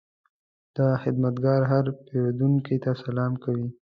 دا خدمتګر هر پیرودونکي ته سلام کوي.